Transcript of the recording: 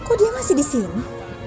kok dia masih disini